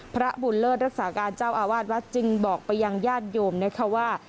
พระบุญเลิศรักษาการเจ้าอาวาสวัดจึงบอกไปยังญาติโยมนะคะว่า